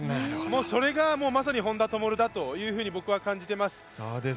それがまさに本多灯だと僕は感じています。